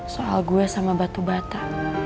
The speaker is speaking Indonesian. soal gue sama batu bata